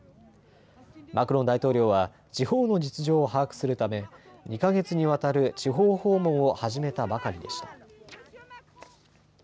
マクロン大統領は地方の実情を把握するため２か月にわたる地方訪問を始めたばかりでした。